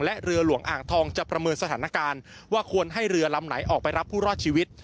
และเรือหลวงอ่างทองจะประเมินสถานการณ์ว่าควรให้เรือลำไหนออกไปรับผู้รอดชีวิต